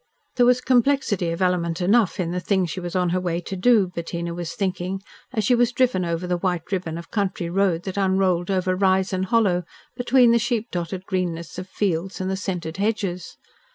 There was complexity of element enough in the thing she was on her way to do, Bettina was thinking, as she was driven over the white ribbon of country road that unrolled over rise and hollow, between the sheep dotted greenness of fields and the scented hedges.